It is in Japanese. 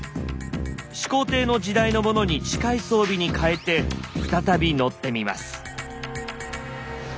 始皇帝の時代のものに近い装備に変えて再び乗ってみます。